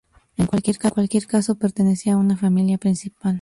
En cualquier caso, pertenecía a una familia principal.